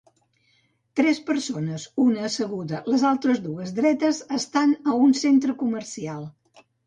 Tres persones, una asseguda, les altres dues dretes, estan a un centre comercial.